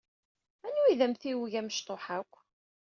Anwa ay d amtiweg amecṭuḥ akk?